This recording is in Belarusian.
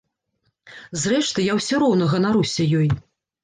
Зрэшты, я ўсё роўна ганаруся ёй.